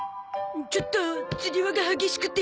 ちょっとつりわが激しくて。